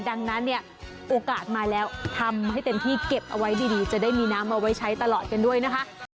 ดังนั้นเนี่ยโอกาสมาแล้วทำให้เต็มที่เก็บเอาไว้ดีจะได้มีน้ำเอาไว้ใช้ตลอดกันด้วยนะคะ